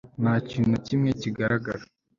Nta kintu na kimwe kigaragara